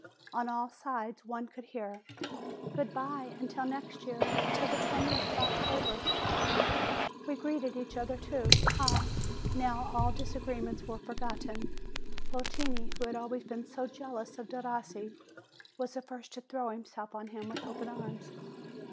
On all sides one could hear : "Good bye until next year! Until the twentieth of October !" We greeted each other, too. Ah ! now all disagree ments were forgotten! Votini, who had always been so jealous of Derossi, was the first to throw himself on him with open arms.